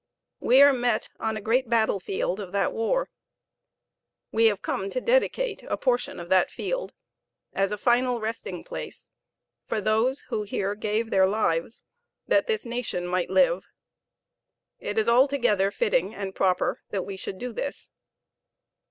We are met on a great battlefield of that war. We have come to dedicate a portion of that field as a final resting place for those who here gave their lives that this nation might live. It is altogether fitting and proper that we should do this.